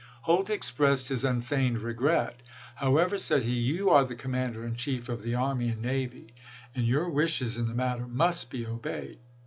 Holt ex pressed his unfeigned regret. " However," said he, "you are the Commander in Chief of the army and navy, and your wishes in the matter must be obeyed.